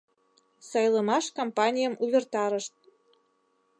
Сайлымаш кампанийым увертарышт.